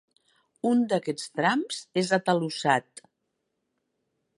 Un d'aquests trams és atalussat.